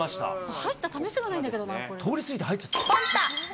入ったためしがないんだけど通りすぎて入っちゃった。